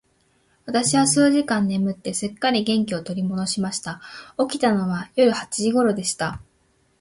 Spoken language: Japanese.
私は数時間眠って、すっかり元気を取り戻しました。起きたのは夜の八時頃でした。